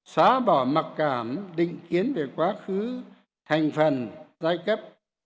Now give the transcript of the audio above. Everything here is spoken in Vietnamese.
xóa bỏ mặc cảm định kiến về quá khứ thành phần giai cấp